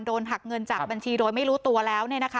หักเงินจากบัญชีโดยไม่รู้ตัวแล้ว